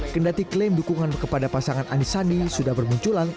kendati klaim dukungan kepada pasangan anies sandi sudah bermunculan